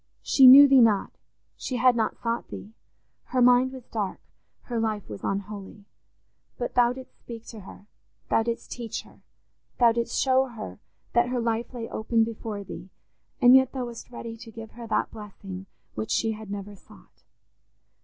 She knew Thee not; she had not sought Thee; her mind was dark; her life was unholy. But Thou didst speak to her, Thou didst teach her, Thou didst show her that her life lay open before Thee, and yet Thou wast ready to give her that blessing which she had never sought.